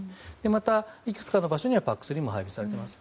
また、いくつかの場所にＰＡＣ３も配備されています。